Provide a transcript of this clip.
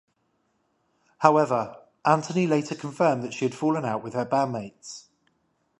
However, Antony later confirmed that she had fallen out with her bandmates.